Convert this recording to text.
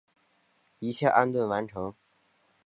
一切安顿完成